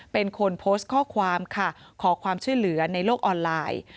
เป็นคนโพสต์ข้อความค่ะขอความช่วยเหลือในโลกออนไลน์